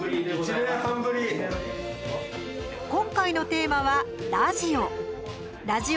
今回のテーマは、ラジオ。